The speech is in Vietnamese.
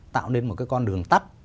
tạo nên một cái con đường tắt